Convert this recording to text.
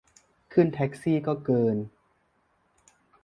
ขึ้นแท็กซี่ก็เกิน